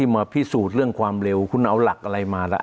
มาพิสูจน์เรื่องความเร็วคุณเอาหลักอะไรมาล่ะ